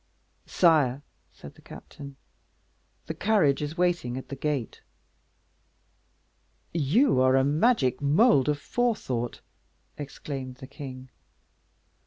"Sire," said the captain, "the carriage is waiting at the gate." "You are a magic mould of forethought," exclaimed the king.